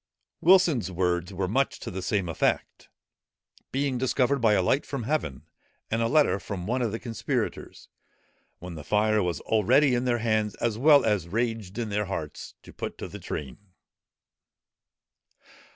Wilson's words are much to the same effect; "being discovered by a light from heaven, and a letter from one of the conspirators, when the fire was already in their hands, as well as raged in their hearts, to put to the train."